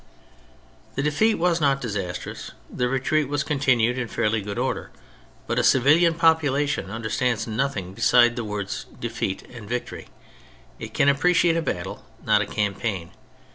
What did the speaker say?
The defeat was not disastrous, the retreat was continued in fairly good order, but a civilian population understands nothing be sides the words defeat and victory; it can appreciate a battle, not a campaign.